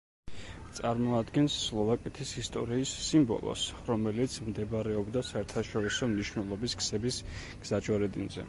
წარმოადგენს სლოვაკეთის ისტორიის სიმბოლოს, რომელიც მდებარეობდა საერთაშორისო მნიშვნელობის გზების გზაჯვარედინზე.